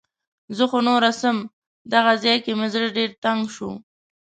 زه خو نوره څم. دغه ځای کې مې زړه ډېر تنګ شو.